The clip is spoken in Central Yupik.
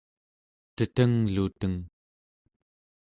tetengluteng